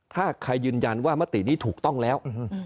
ถ้าใครยืนยันว่ามตินี้ถูกต้องแล้ว